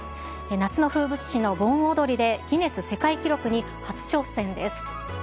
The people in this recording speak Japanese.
夏の風物詩の盆踊りでギネス世界記録に初挑戦です。